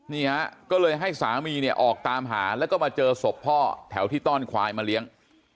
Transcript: นี่ฮะก็เลยให้สามีเนี่ยออกตามหาแล้วก็มาเจอศพพ่อแถวที่ต้อนควายมาเลี้ยง